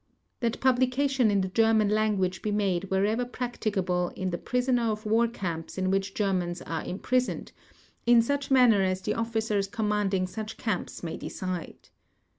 THAT publication in the German language be made wherever practicable in the prisoner of war camps in which Germans are imprisoned, in such manner as the officers commanding such camps may decide.